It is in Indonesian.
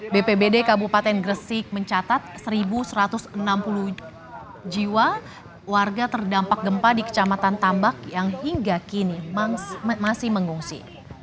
bpbd kabupaten gresik mencatat satu satu ratus enam puluh jiwa warga terdampak gempa di kecamatan tambak yang hingga kini masih mengungsi